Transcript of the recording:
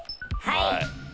はい！